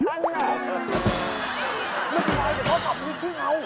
ถึงเวลาเสียคอสอบอยู่ที่เรา